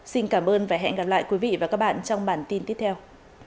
xin cảm ơn và hẹn gặp lại quý vị và các bạn trong bản tin tiếp theo